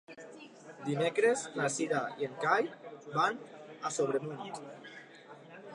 Dimecres na Cira i en Cai van a Sobremunt.